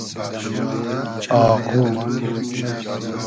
آغو